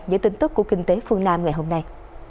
những tin tức của kinh tế phương nam ngày hôm nay